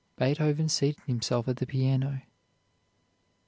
"Beethoven seated himself at the piano.